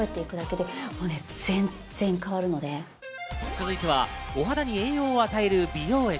続いてはお肌に栄養を与える美容液。